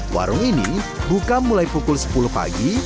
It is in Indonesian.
warung ini buka mulai pukul sepuluh pagi